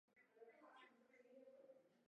坐了缆车山上雪更大